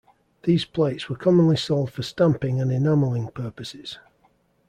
These plates were commonly sold for stamping and enameling purposes.